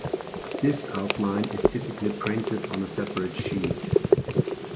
This outline is typically printed on a separate sheet.